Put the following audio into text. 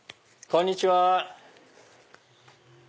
こんにちは。